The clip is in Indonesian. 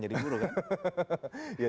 jadi guru kan